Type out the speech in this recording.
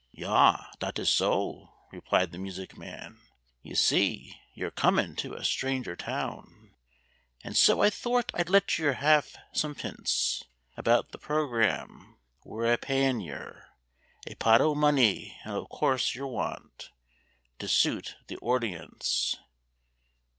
"Ja, dot is so," replied the music man. "Ye see, yer comin' to a stranger town, And so I thort I'd let yer hev some pints About the programme. We're a payin' yer A pot o' money, and of course yer want To suit the ordience."